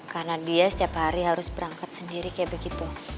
karena dia setiap hari harus berangkat sendiri kayak begitu